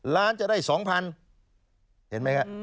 ล้านจะได้๒๐๐๐เห็นไหมครับ